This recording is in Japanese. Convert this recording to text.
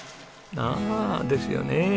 ああですよねえ。